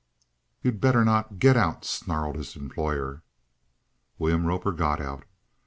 "You'd better not! Get out!" snarled his employer. William Roper got out.